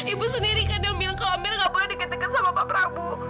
ibu sendiri kadang bilang kalau amira gak boleh diketekan sama pak prabu